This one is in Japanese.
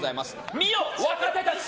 見よ、若手たち。